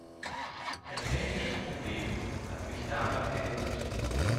Ein technisches Problem hat mich daran gehindert.